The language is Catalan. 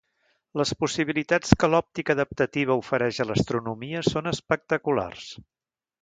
Les possibilitats que l'òptica adaptativa ofereix a l'astronomia són espectaculars.